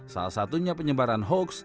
salah satunya penyebaran hoax